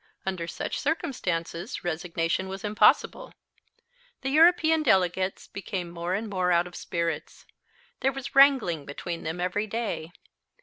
Under such circumstances resignation was impossible. The European delegates became more and more out of spirits. There was wrangling between them every day.